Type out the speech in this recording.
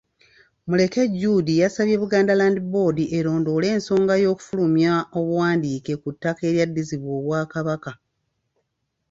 Muleke Jude yasabye Buganda Land Board erondoole ensonga y’okufulumya obuwandiike ku ttaka eryaddizibwa Obwakabaka.